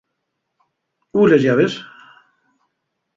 ¿Ú les llaves?